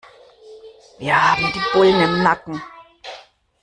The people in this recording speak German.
Wir haben die Bullen im Nacken.